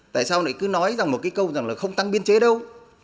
tại sao lại cứ nói rằng một cái câu rằng là không tăng biên chế đâu